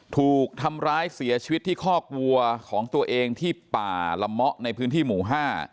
ถูกทำร้ายเสียชีวิตที่คอกวัวของตัวเองที่ป่าละเมาะในพื้นที่หมู่ห้า